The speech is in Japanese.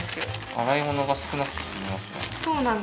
洗い物が少なくて済みますね。